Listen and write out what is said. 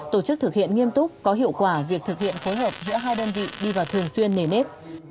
tổ chức thực hiện nghiêm túc có hiệu quả việc thực hiện phối hợp giữa hai đơn vị đi vào thường xuyên nề nếp